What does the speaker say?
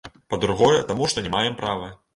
Па-другое, таму што не маем права.